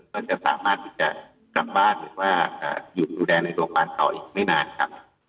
เราจะสามารถกลับบ้านหรือว่าอยู่ดูแลในโรงพยาบาลเขาอีกไม่นานครับ